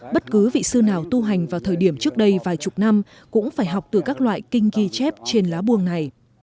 bất cứ vị sư nào tu hành vào thời điểm trước đây vài chục năm cũng phải học từ các loại kinh ghi chép trên lá buông này